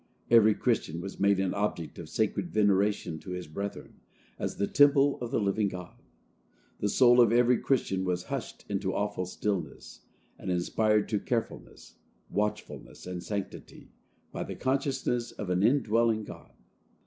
Every Christian was made an object of sacred veneration to his brethren, as the temple of the living God. The soul of every Christian was hushed into awful stillness, and inspired to carefulness, watchfulness and sanctity, by the consciousness of an indwelling God.